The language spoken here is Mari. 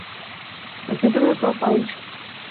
— А кӧ тугай Пал Палыч?